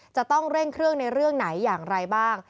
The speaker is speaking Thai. จะต้องเร่งเครื่องในเรื่องไหนอย่างไรบ้าง